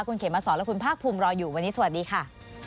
คุณเขมสอนและคุณภาคภูมิรออยู่วันนี้สวัสดีค่ะ